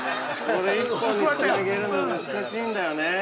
◆これ１個につなげるの難しいんだよね。